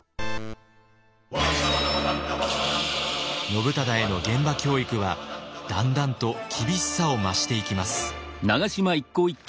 信忠への現場教育はだんだんと厳しさを増していきます。